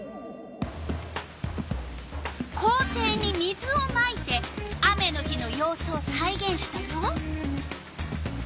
校庭に水をまいて雨の日のようすをさいげんしたよ。